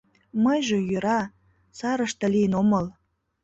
Мыйже йӧра, сарыште лийын омыл.